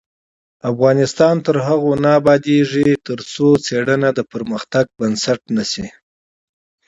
افغانستان تر هغو نه ابادیږي، ترڅو څیړنه د پرمختګ بنسټ نشي.